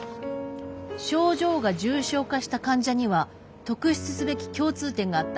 「症状が重症化した患者には特筆すべき共通点があった。